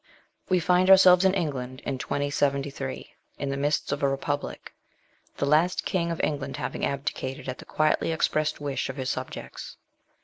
We find ourselves in England, in 2073, in the midst of a Republic, the last king of England having abdi cated at the quietly expressed wish of his subjects.